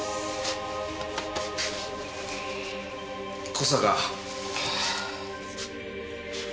小坂。